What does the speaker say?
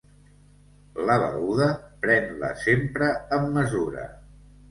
La beguda, pren-la sempre amb mesura.